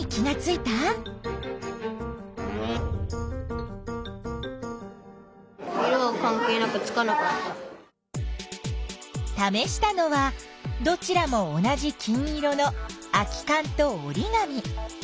ためしたのはどちらも同じ金色の空きかんとおりがみ。